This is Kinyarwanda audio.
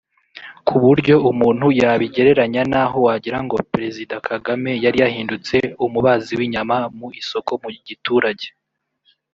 ku buryo umuntu yabigereranya n’aho wagirango President Kagame yari yahindutse umubazi w’inyama mu isoko mu giturage